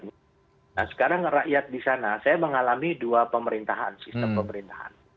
nah sekarang rakyat di sana saya mengalami dua pemerintahan sistem pemerintahan